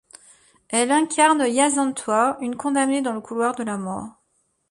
Elle incarne Yasantwa, une condamnée dans le couloir de la mort.